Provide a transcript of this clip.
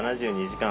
７２時間。